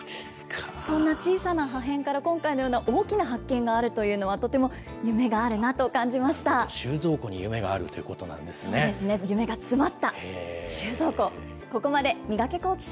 そんな小さな破片から、今回のような大きな発見があるというのは、収蔵庫に夢があるということ夢が詰まった収蔵庫。